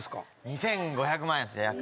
２，５００万円ですね約。